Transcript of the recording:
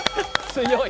強い！